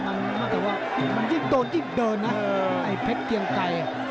มันยิบโดนยิบเดินนะไอ้เพชรเกียงไก่